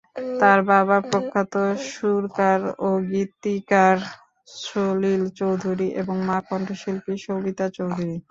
তার বাবা প্রখ্যাত সুরকার ও গীতিকার সলিল চৌধুরী এবং মা কণ্ঠশিল্পী সবিতা চৌধুরী।